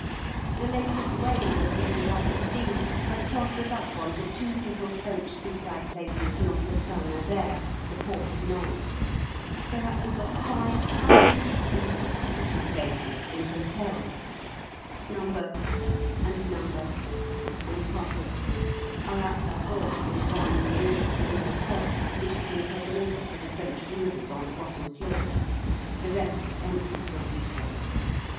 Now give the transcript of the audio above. _ The latest wave of this erratic sea has tossed us up on to two little French seaside places north of St Nazaire, the port of Nantes. There are over 500 Sisters at the two places in hotels. No. and No. and part of are at La Baule in one enormous new hotel, which has been taken over for the French wounded on the bottom floor; the rest was empty till we came.